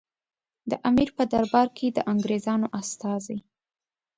د امیر په دربار کې د انګریزانو استازي.